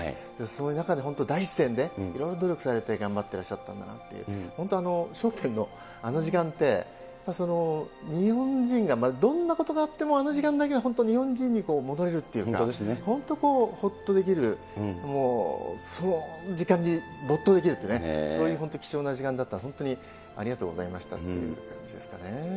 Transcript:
そういう中で第一線で、いろいろ努力されて頑張ってらっしゃったんだなって、本当、笑点のあの時間って、日本人が、どんなことがあっても、あの時間だけは本当、日本人に戻れるっていうか、本当こうほっとできる、もうその時間に没頭できるという、そういう本当に貴重な時間だった、本当にありがとうございましたっていう感じですね。